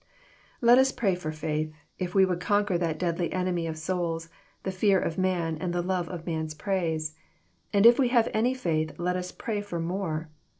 Let us pray for faith, if we would conquer that deadly enemy of souls, the fear of man and the love of man^s praise. And if we have any faith, let us pray for more.